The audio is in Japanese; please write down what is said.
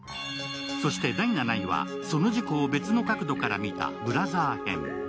そして第７位は、その事故を別の角度から見たブラザー編。